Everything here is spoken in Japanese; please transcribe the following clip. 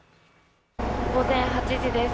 午前８時です。